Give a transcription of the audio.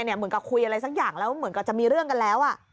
เหมือนกับคุยอะไรสักอย่างแล้วเหมือนกับจะมีเรื่องกันแล้ว